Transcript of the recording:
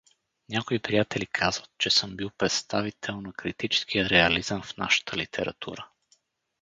Някои приятели казват, че съм бил представител на критическия реализъм в нашата литература.